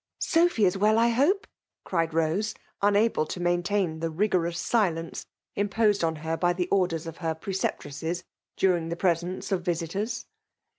« Sophy is well, I hope ?" cried Hose, un able to maintain the rigorous silence imposed upon her by the orders of her preceptresses during the presence of visitors.